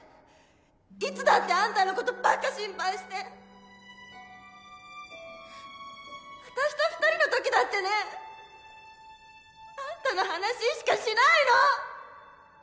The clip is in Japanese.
いつだってあんたのことばっか心配して私と２人の時だってねあんたの話しかしないの！